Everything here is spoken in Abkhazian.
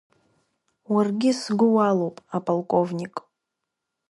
Уаргьы сгәы уалоуп, аполковник.